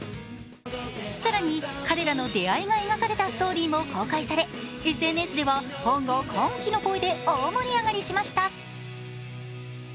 更に、彼らの出会いが描かれたストーリーも公開され、ＳＮＳではファンが歓喜の声で大盛り上がりしました。